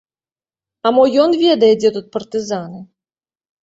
А мо ён ведае, дзе тут партызаны?